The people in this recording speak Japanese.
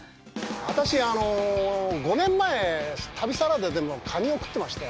あたし５年前、旅サラダでもカニを食ってまして。